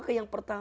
maka yang pertama